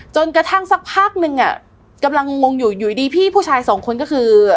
จนกระทั่งสักพักนึงอ่ะกำลังงงอยู่อยู่ดีพี่ผู้ชายสองคนก็คือ